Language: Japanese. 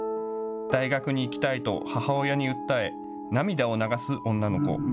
大学に行きたいと母親に訴え涙を流す女の子。